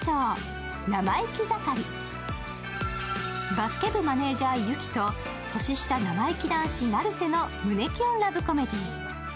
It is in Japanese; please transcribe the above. バスケ部マネージャー・由希と年下生意気男子・成瀬の胸キュンラブコメディー。